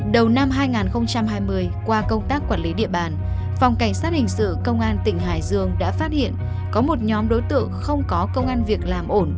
đầu năm hai nghìn hai mươi qua công tác quản lý địa bàn phòng cảnh sát hình sự công an tỉnh hải dương đã phát hiện có một nhóm đối tượng không có công an việc làm ổn